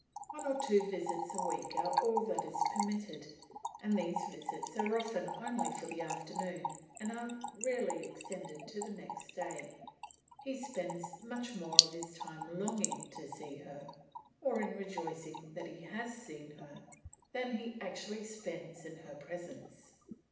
One or two visits a week are all that is permitted, and these visits are often only for the afternoon and are rarely extended to the next day. He spends much more of his time in longing to see her, or in rejoicing that he has seen her, than he actually spends in her presence.